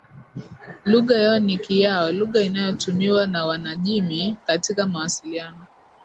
Lugha yao ni Kiyao lugha inayotumiwa na wanajimii katika mawasiliano